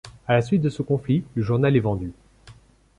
À la suite de ce conflit, le journal est vendu.